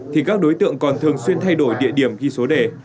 thì các đối tượng còn thường xuyên thay đổi địa điểm ghi số đề